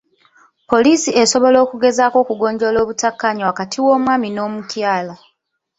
Poliisi esobola okugezaako okugonjoola obutakkaanya wakati w'omwami n'omukyala.